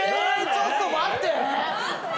ちょっと待って！？